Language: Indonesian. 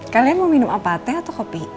kalian mau minum apa teh atau kopi